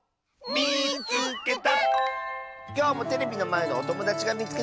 「みいつけた！」。